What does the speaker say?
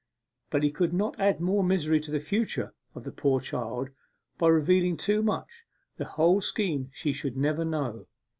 But he could not add more misery to the future of the poor child by revealing too much. The whole scheme she should never know.